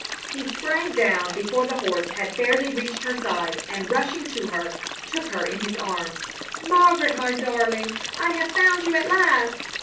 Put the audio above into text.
He sprang down before the horse had fairly reached her side, and, rushing to her, took her in his arms. "Margaret! My darling! I have found you at last!"